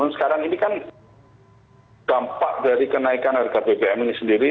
sekarang ini kan dampak dari kenaikan harga bbm ini sendiri